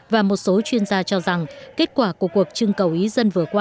và một số chuyên gia cho rằng kết quả của cuộc trưng cầu ý dân vừa qua